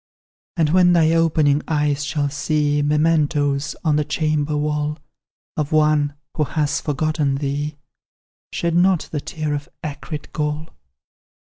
"And when thy opening eyes shall see Mementos, on the chamber wall, Of one who has forgotten thee, Shed not the tear of acrid gall.